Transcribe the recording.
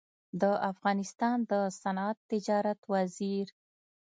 د افغانستان د صنعت تجارت وزیر